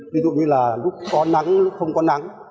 ví dụ như là lúc có nắng lúc không có nắng